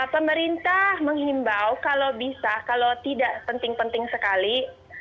pemerintah menghimbau kalau bisa kalau tidak penting penting sekali